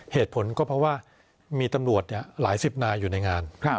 เหตุผลก็เพราะว่ามีตำรวจหลายสิบนายอยู่ในงาน